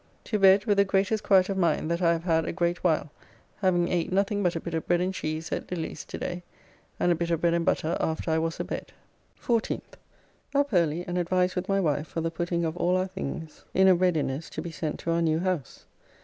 To bed with the greatest quiet of mind that I have had a great while, having ate nothing but a bit of bread and cheese at Lilly's to day, and a bit of bread and butter after I was a bed. 14th. Up early and advised with my wife for the putting of all our things in a readiness to be sent to our new house.